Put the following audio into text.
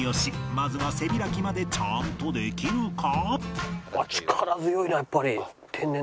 まずは背開きまでちゃんとできるか？